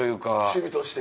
趣味として。